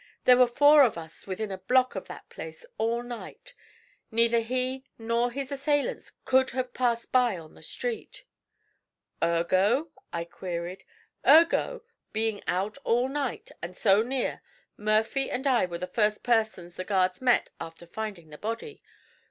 There were four of us within a block of that place all night. Neither he nor his assailants could have passed by on the street.' 'Ergo?' I queried. 'Ergo, being out all night, and so near, Murphy and I were the first persons the guards met after finding the body.